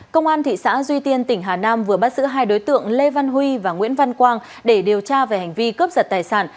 công an thị xã duy tiên tỉnh hà nam vừa bắt giữ hai đối tượng lê văn huy và nguyễn văn quang để điều tra về hành vi cướp giật tài sản